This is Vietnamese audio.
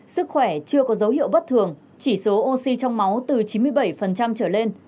sức khỏe chưa có dấu hiệu bất thường chỉ số oxy trong máu từ chín mươi bảy trở lên